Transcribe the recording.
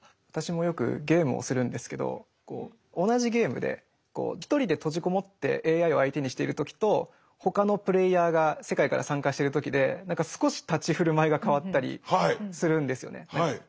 私もよくゲームをするんですけど同じゲームで１人で閉じ籠もってＡＩを相手にしている時と他のプレーヤーが世界から参加してる時で少し立ち居振る舞いが変わったりするんですよね。